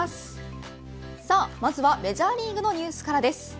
まずはメジャーリーグのニュースからです。